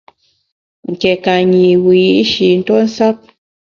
Nké ka nyi wiyi’shi ntuo nsap.